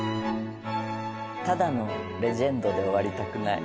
ただのレジェンドで終わりたくない。